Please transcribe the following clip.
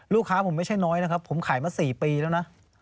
ลูกค้าผมไม่ใช่น้อยนะครับผมขายมา๔ปีแล้วนะ